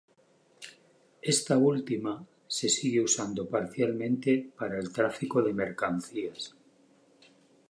Esta última se sigue usando parcialmente para el tráfico de mercancías.